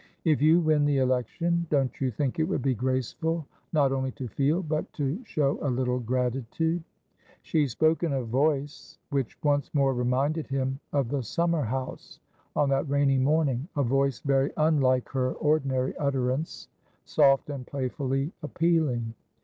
"If you win the election, don't you think it would be graceful not only to feel, but to show, a little gratitude?" She spoke in a voice which once more reminded him of the summer house on that rainy morning, a voice very unlike her ordinary utterance, soft and playfully appealing.